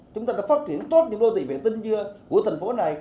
chúng ta đã phát triển tốt những đô thị vệ tinh của thành phố này